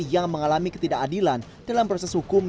yang mengalami ketidakadilan dalam proses hukum